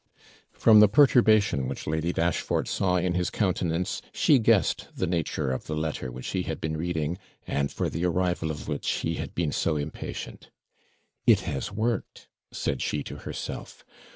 From the perturbation which Lady Dashfort saw in his countenance, she guessed the nature of the letter which he had been reading, and for the arrival of which he had been so impatient. 'It has worked!' said she to herself.